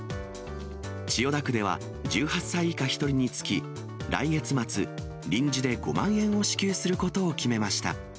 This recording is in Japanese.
千代田区では、１８歳以下１人につき、来月末、臨時で５万円を支給することを決めました。